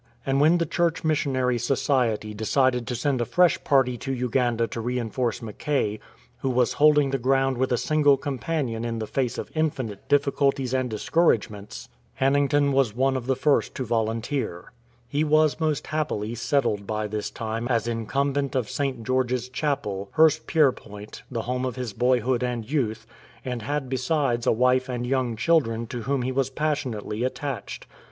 And when the Church Missionary Society decided to send a fresh party to Uganda to reinforce Mackay, who was holding the ground with a single companion in the face of infinite difficulties and discouragements, Banning ton was one of the first to volunteer. He was most happily settled by this time as incumbent of St. George's Chapel, Hurstpierpoint, the home of his boyhood and youth, and had besides a wife and young children to whom he was First Landing in Africa From a sketch by Bishop Hannington passionately attached.